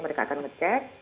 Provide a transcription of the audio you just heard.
mereka akan nge check